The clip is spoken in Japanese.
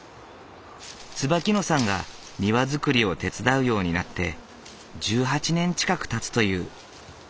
椿野さんが庭造りを手伝うようになって１８年近くたつという。